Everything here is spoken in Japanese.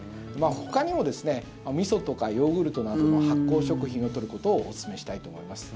ほかにもみそとかヨーグルトなんかの発酵食品を取ることをおすすめしたいと思います。